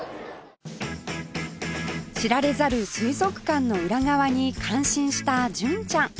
知られざる水族館の裏側に感心した純ちゃん